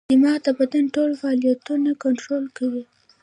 دماغ د بدن ټول فعالیتونه کنټرول کوي.